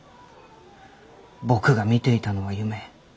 僕が見ていたのは夢。